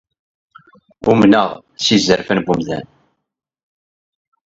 Umne? s yizerfan n umdan.